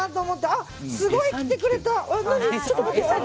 あ、すごい来てくれた！